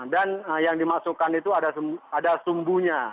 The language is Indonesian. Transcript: dan yang dimasukkan itu ada sumbunya